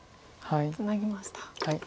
ツナぎました。